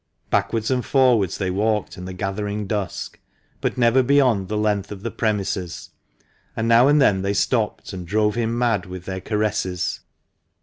Backwards and forwards they walked in the gathering dusk, but never beyond the length of the premises ; and now and then they stopped, and drove him mad with their caresses.